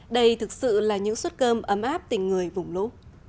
đây thực sự là những suất cơm ấm áp tình người vùng lũ